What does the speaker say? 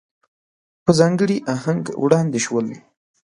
په ځانګړي آهنګ وړاندې شول.